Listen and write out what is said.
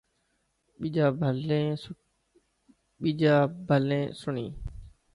ٻيجا ڀلي سڻي.